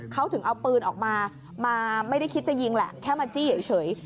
เขาถึงเอาปืนออกมามาไม่ได้คิดจะยิงแหละแค่มาจี้เฉย